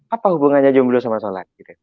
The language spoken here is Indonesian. apa hubungannya jomblo sama sholat